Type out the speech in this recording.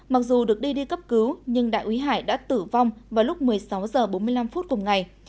mặc dù được đi đi cấp cứu nhưng đại úy hải đã tử vong vào lúc một mươi sáu h bốn mươi năm phút cùng ngày